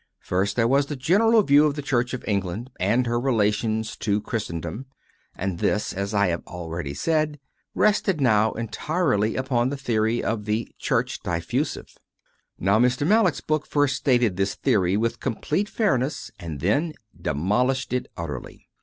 2. First, there was the general view of the Church of England and her relations to Christen dom, and this, as I have already said, rested now entirely upon the theory of the "Church Diffusive." io 4 CONFESSIONS OF A CONVERT Now Mr. Mallock s book first stated this theory with complete fairness and then demolished it ut terly.